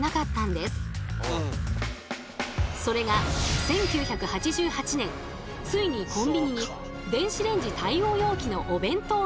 それが１９８８年ついにコンビニに電子レンジ対応容器のお弁当が登場。